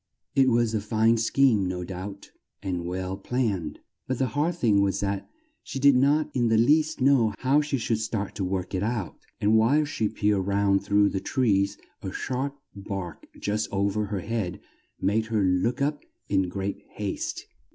It was a fine scheme, no doubt, and well planned, but the hard thing was that she did not in the least know how she should start to work it out; and while she peered round through the trees, a sharp bark just o ver her head made her look up in great haste.